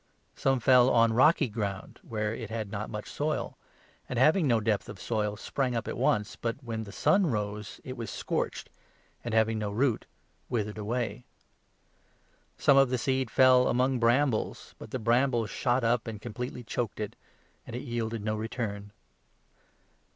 Some fell on rocky ground, where 5 it had not much soil, and, having no depth of soil, sprang up at once ; but, when the sun rose, it was scorched, and, having no 6 root, withered away. Some of the seed fell among brambles ; 7 but the brambles shot up and completely choked it, and it yielded no return.